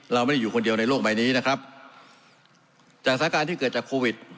เราไม่ได้อยู่คนเดียวในโลกใบนี้นะครับจากสถานการณ์ที่เกิดจากโควิด